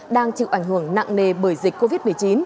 đang chịu ảnh hưởng nặng nề bởi dịch covid một mươi chín